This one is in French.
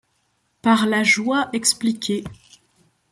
Par la joie expliqué